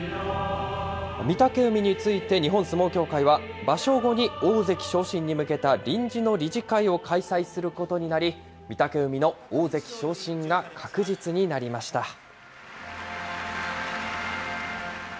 御嶽海について日本相撲協会は、場所後に大関昇進に向けた臨時の理事会を開催することになり、御嶽海の大関昇進が確実になりました。